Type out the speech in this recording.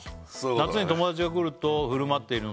「夏に友達が来ると振る舞っているのですが」